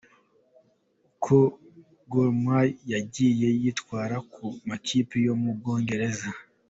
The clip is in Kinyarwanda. Uko Gor Mahia yagiye yitwara ku makipe yo mu Bwongereza.